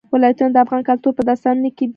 ولایتونه د افغان کلتور په داستانونو کې دي.